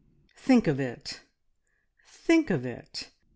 Think of it! Think of it!